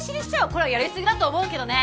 これはやりすぎだと思うけどね！